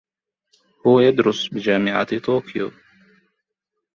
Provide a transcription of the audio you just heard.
هو يدرس بجامعة طوكيو